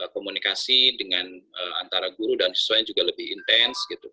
komunikasi antara guru dan siswa yang juga lebih intens